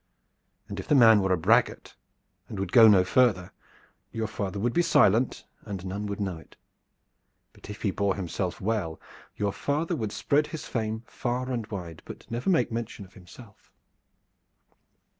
And if the man were a braggart and would go no further, your father would be silent and none would know it. But if he bore himself well, your father would spread his fame far and wide, but never make mention of himself."